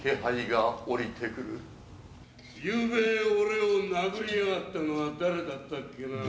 「ゆうべ俺を殴りやがったのは誰だったっけな？」